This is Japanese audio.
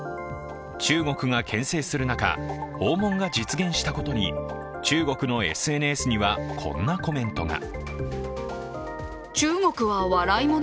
中国がけん制する中、訪問が実現したことに中国のＳＮＳにはこんなコメントが。